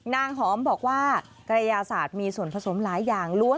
หอมบอกว่ากระยาศาสตร์มีส่วนผสมหลายอย่างล้วน